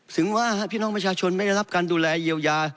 ถึงว่าพี่น้องปัญชาชนไม่ได้รับการดูแล